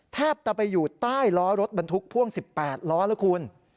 แทบจะไปอยู่ใต้ล้อรถบรรทุกพ่วง๑๘ล้อแล้วคุณ